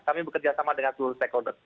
kami bekerja sama dengan seluruh stakeholder